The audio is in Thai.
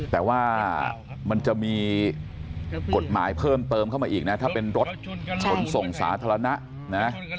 แต่ว่ามันจะมีกฎหมายเพิ่มเติมเข้ามาอีกนะถ้าเป็นรถขนส่งสาธารณะนะ